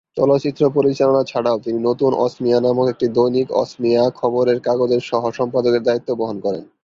চলচ্চিত্র পরিচালনা ছাড়াও তিনি নতুন অসমীয়া নামক একটি দৈনিক অসমীয়া খবরের কাগজের সহ-সম্পাদকের দ্বায়িত্ব বহন করেন।।